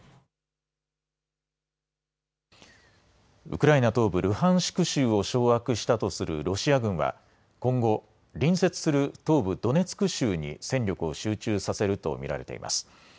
ウクライナ東部ルハンシク州を掌握したとするロシア軍は今後、隣接する東部ドネツク州に戦力を集中させると見られています。